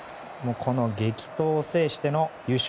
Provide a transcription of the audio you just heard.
この激闘を制しての優勝。